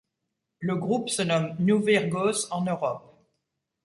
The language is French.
Le groupe se nomme Nu Virgos en Europe.